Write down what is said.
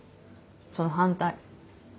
その反対。